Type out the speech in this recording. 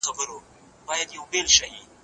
پښتو اړیکې پیاوړې کوي.